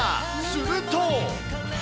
すると。